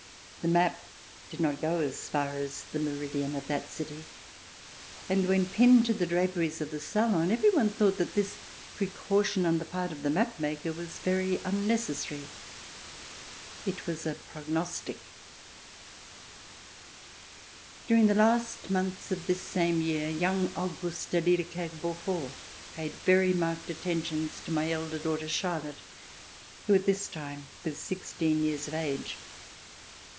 The map did not go as far as the meridian of that city, and when pinned to the draperies of the salon, every one thought that this precaution on the part of the map maker was very unnecessary. It was a prognostic! During the last months of this same year, young Auguste de Liedekerke Beaufort paid very marked J.,,,. ,,— 1790 ISIG ^^^r^i^i "^ ji L AN AUDIENCE Wnil NAPOLEON attentions to my elder daugliter Cliarlottc, who at this time was sixteen years of age.